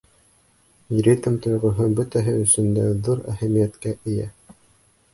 Ритм тойғоһо бөтәһе өсөн дә ҙур әһәмиәткә эйә.